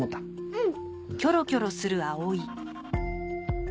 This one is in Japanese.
うん！